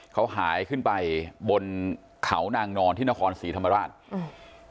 เขาหายขึ้นไปบนเขานางนอนที่นครศรีธรรมราชอืม